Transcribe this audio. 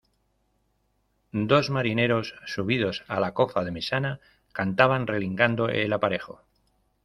dos marineros subidos a la cofa de mesana, cantaban relingando el aparejo.